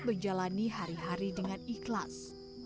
menjalani hari hari dengan ikhlas